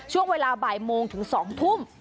ช่วงเวลาบ่ายโมงถึง๒ทุ่ม